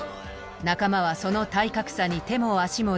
仲間はその体格差に手も足も出ず敗北。